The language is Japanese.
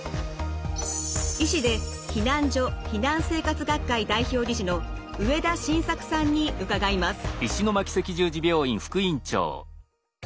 医師で避難所・避難生活学会代表理事の植田信策さんに伺います。